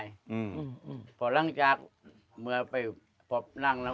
บ๊วยบ๊วยบ๊วยบ๊วยบ๊วยบ๊วยบ๊วยอเจมส์บวงบาทนาคาราชแล้วยังไงต่อ